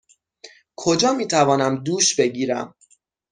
کجا می توانم دوش بگیرم؟